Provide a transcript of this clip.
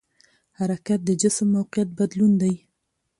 حرکت د جسم موقعیت بدلون دی.